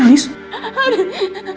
hari usir aku pak